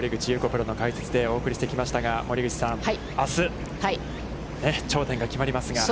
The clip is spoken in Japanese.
プロの解説でお送りしてきましたが、森口さん、あす、頂点が決まりますが。